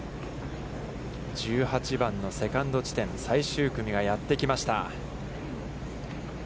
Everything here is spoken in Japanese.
１８番のセカンド地点、最終組がやってきました。